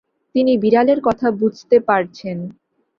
তিনি বিড়ালের কথা বুঝতে পারছেন।